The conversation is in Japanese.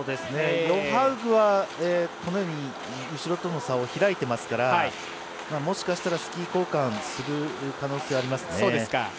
ヨハウグは後ろとの差を開いてますからもしかしたらスキー交換する可能性があります。